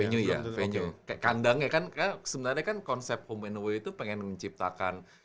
venue ya venue kayak kandangnya kan sebenarnya kan konsep home and away itu pengen menciptakan